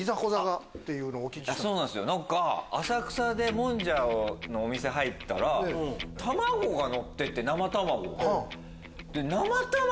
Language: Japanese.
何か浅草でもんじゃのお店入ったら卵がのってて生卵。